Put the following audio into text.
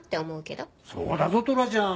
そうだぞトラちゃん。